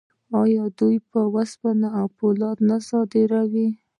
آیا دوی وسپنه او فولاد نه صادروي؟